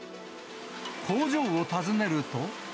工場を訪ねると。